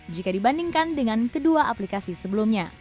jika dibandingkan dengan kedua aplikasi sebelumnya